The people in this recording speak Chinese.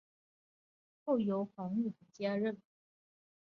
后由黄玉衡接任。